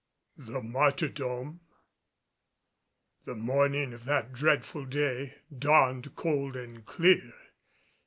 THE MARTYRDOM. The morning of that dreadful day dawned cold and clear.